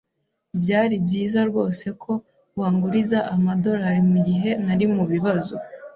Byari byiza rwose ko wanguriza amadorari mugihe nari mubibazo.